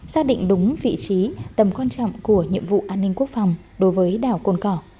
xác định đúng vị trí tầm quan trọng của nhiệm vụ an ninh quốc phòng đối với đảo cồn cỏ